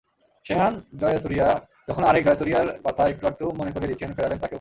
শেহান জয়াসুরিয়া যখন আরেক জয়াসুরিয়ার কথা একটু-আধটু মনে করিয়ে দিচ্ছেন, ফেরালেন তাঁকেও।